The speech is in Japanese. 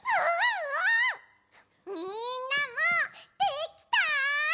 みんなもできた？